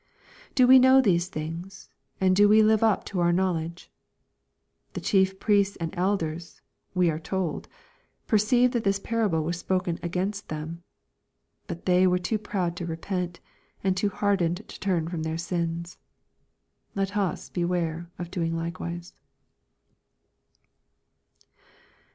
Do we know these things, and do we live up to ouj knowledge ? The chief priests and elders, we are told, " perceived that this parable was spoken against them." But they were too proud to repent, and too hardened to turn from their sins. Let us beware of doing likewise.